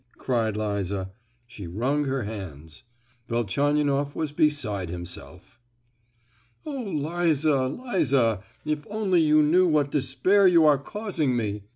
cried Liza. She wrung her hands. Velchaninoff was beside himself. "Oh, Liza, Liza! if only you knew what despair you are causing me!"